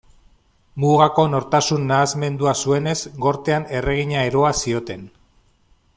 Mugako nortasun-nahasmendua zuenez, Gortean Erregina Eroa zioten.